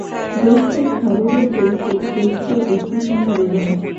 জ্যৈষ্ঠের খররৌদ্রই তো জ্যৈষ্ঠের অশ্রুশূন্য রোদন।